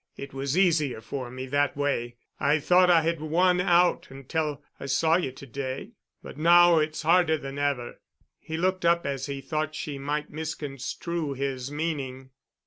It was easier for me that way. I thought I had won out until I saw you to day—but now it's harder than ever." He looked up as he thought she might misconstrue his meaning.